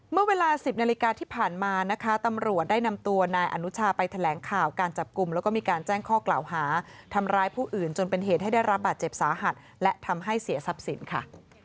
เมื่อเวลา๑๐นาฬิกาที่ผ่านมานะคะตำรวจได้นำตัวนายอนุชาไปแถลงข่าวการจับกลุ่มแล้วก็มีการแจ้งข้อกล่าวหาทำร้ายผู้อื่นจนเป็นเหตุให้ได้รับบาดเจ็บสาหัสและทำให้เสียทรัพย์สินค่ะ